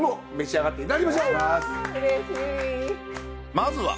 まずは。